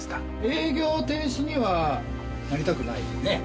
営業停止にはなりたくないよねえ？